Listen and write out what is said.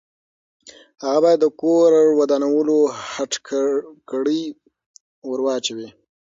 هغه باید د کور ودانولو هتکړۍ ورواچوي.